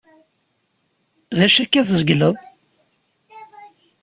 D acu akka ay tzegleḍ?